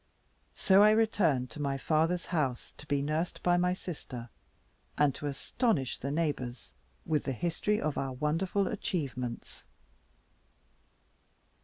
So I returned to my father's house to be nursed by my sister, and to astonish the neighbours with the history of our wonderful achievements.